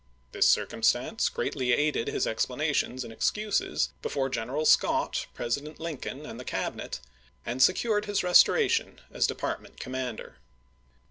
This circumstance greatly aided his explanations and excuses be fore General Scott, President Lincoln, and the Cabinet, and secured his restoration as Department Commander.